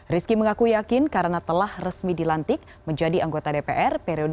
rizky mengaku yakin karena telah resmi dilantik menjadi anggota dpr periode dua ribu sembilan belas dua ribu dua puluh empat